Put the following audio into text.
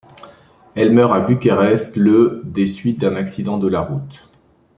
Elle meurt à Bucarest le des suites d'un accident de la route.